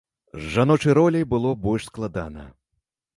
З жаночай роляй было больш складана.